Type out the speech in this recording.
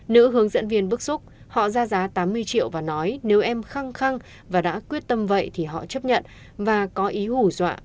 nữ hướng dẫn viên bức xúc họ ra giá tám mươi triệu và nói nếu em khăng khăng và đã quyết tâm vậy thì họ chấp nhận và có ý hủ dọa